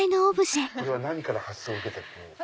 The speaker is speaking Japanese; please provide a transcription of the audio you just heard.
これは何から発想を受けて。